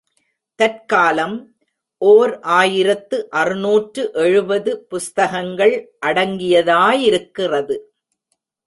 தற்காலம் ஓர் ஆயிரத்து அறுநூற்று எழுபது புஸ்தகங்கள் அடங்கியதாயிருக்கிறது.